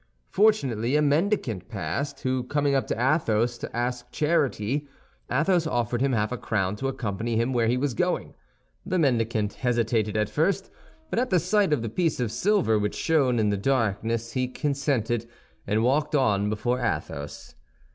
Fortunately, a mendicant passed, who, coming up to Athos to ask charity, Athos offered him half a crown to accompany him where he was going. The mendicant hesitated at first, but at the sight of the piece of silver which shone in the darkness he consented, and walked on before Athos.